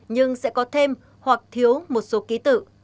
nhưng sẽ có thêm hoặc thiếu một số ký tự